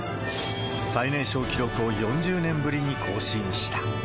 最年少記録を４０年ぶりに更新した。